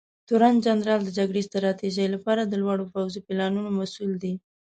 تورنجنرال د جګړې ستراتیژۍ لپاره د لوړو پوځي پلانونو مسوول دی.